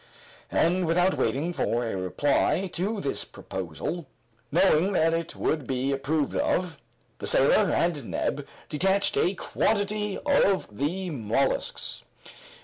And without waiting for a reply to this proposal, knowing that it would be approved of, the sailor and Neb detached a quantity of the molluscs.